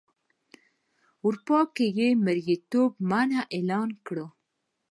اروپا کې یې مریتوب منع اعلان کړ.